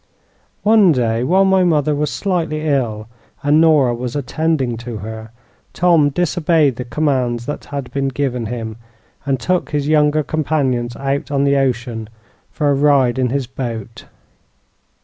"One day, while my mother was slightly ill and Nora was attending to her, Tom disobeyed the commands that had been given him, and took his younger companions out on the ocean for a ride in his boat.